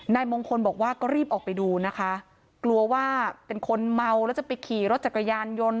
นายมงคลบอกว่าก็รีบออกไปดูนะคะกลัวว่าเป็นคนเมาแล้วจะไปขี่รถจักรยานยนต์